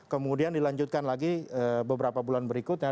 kemudian dilanjutkan lagi beberapa bulan berikutnya